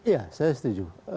iya saya setuju